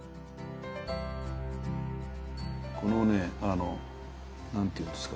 このねあの何て言うんですか。